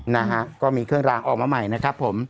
นะฮะก็มีเครื่องรางออกมาใหม่นะครับผม